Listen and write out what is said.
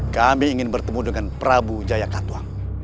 kami ingin bertemu dengan prabu jaya katua